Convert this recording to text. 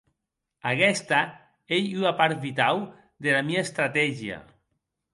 Aguesta ei ua part vitau dera mia estratégia.